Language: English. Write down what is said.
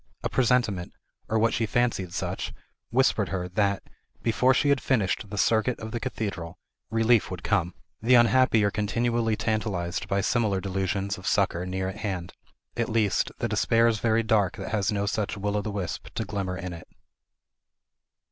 A presentiment, or what she fancied such, whispered her, that, before she had finished the circuit of the cathedral, relief would come. The unhappy are continually tantalized by similar delusions of succor near at hand; at least, the despair is very dark that has no such will o' the wisp to glimmer in it.